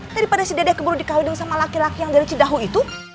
daripada si dede keburu dikawin sama laki laki yang dari cidahu itu